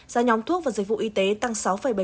giá nhóm thuốc và dịch vụ y tế tăng sáu bảy mươi bốn